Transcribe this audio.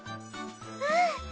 うん。